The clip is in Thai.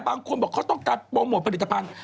บางคนบอกเขาต้องการโปรโมทผลิตภัณฑ์